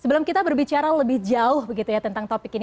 sebelum kita berbicara lebih jauh begitu ya tentang topik ini